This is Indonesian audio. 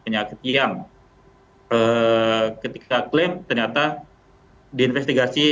penyakit penyakit yang ketika klaim ternyata di investigasi